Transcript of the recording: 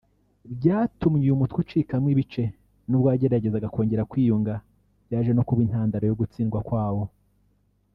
Byatumye uyu mutwe ucikamo ibice nubwo wageragezaga kongera kwiyunga byaje no kuba intandaro yo gutsindwa kwawo